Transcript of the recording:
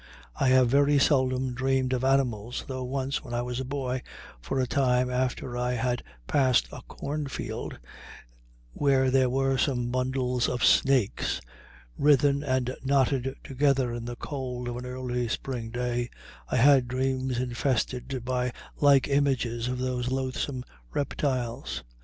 I have very seldom dreamed of animals, though once, when I was a boy, for a time after I had passed a corn field where there were some bundles of snakes, writhen and knotted together in the cold of an early spring day, I had dreams infested by like images of those loathsome reptiles.